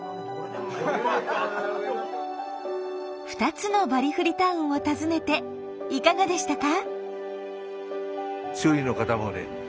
２つのバリフリ・タウンを訪ねていかがでしたか？